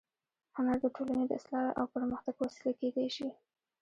هنر د ټولنې د اصلاح او پرمختګ وسیله کېدای شي